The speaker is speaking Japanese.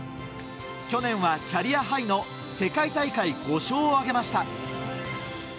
去年はキャリアハイの世界大会５勝を挙げました。